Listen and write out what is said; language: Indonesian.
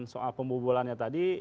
soal pembobolannya tadi